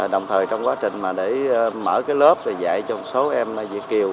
đồng thời trong quá trình mà để mở cái lớp để dạy cho một số em là việt kiều